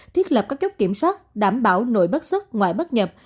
thiết lập các chốt kiểm soát đảm bảo nội bất xuất ngoại bất nhập